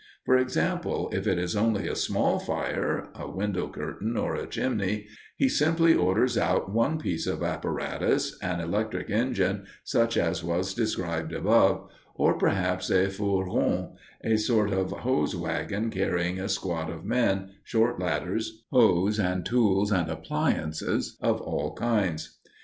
For example, if it is only a small fire a window curtain or a chimney he simply orders out one piece of apparatus, an electric engine, such as was described above, or, perhaps, a fourgon a sort of hose wagon carrying a squad of men, short ladders, hose, and tools and appliances of all kinds.